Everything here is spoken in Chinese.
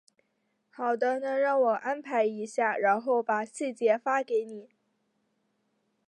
好的，那让我安排一下，然后把细节发给你。